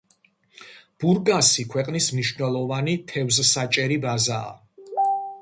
ბურგასი ქვეყნის მნიშვნელოვანი თევზსაჭერი ბაზაა.